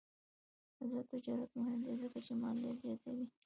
آزاد تجارت مهم دی ځکه چې مالیات زیاتوي.